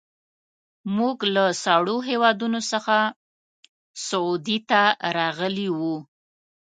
موږ له سړو هېوادونو څخه سعودي ته راغلي وو.